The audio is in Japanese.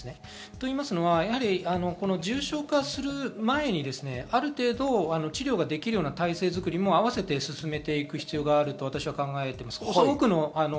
と言いますのは、重症化する前に、ある程度治療ができる体制づくりも併せて進めていく必要があると私は考えています。